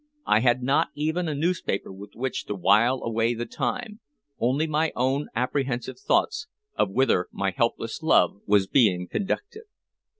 I had not even a newspaper with which to while away the time, only my own apprehensive thoughts of whither my helpless love was being conducted.